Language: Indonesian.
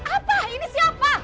apa ini siapa